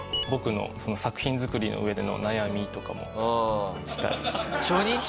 僕の作品作りの上での悩みとかもしたり。